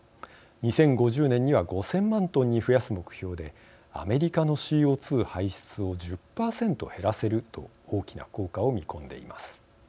２０５０年には５０００万トンに増やす目標でアメリカのＣＯ２排出を１０％減らせると大きな効果を見込んでいます。